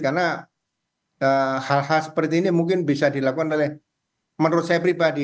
karena hal hal seperti ini mungkin bisa dilakukan oleh menurut saya pribadi